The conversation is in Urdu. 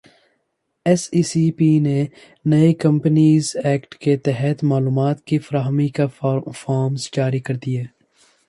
ایس ای سی پی نے نئے کمپنیز ایکٹ کے تحت معلومات کی فراہمی کے فارمز جاری کردیئے